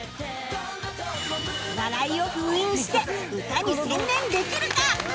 笑いを封印して歌に専念できるか！？